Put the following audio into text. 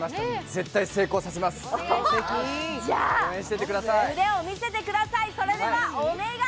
絶対成功させます、応援しといてください。